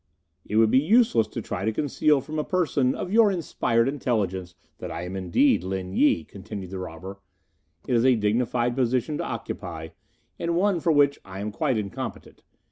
"It would be useless to try to conceal from a person of your inspired intelligence that I am indeed Lin Yi," continued the robber. "It is a dignified position to occupy, and one for which I am quite incompetent.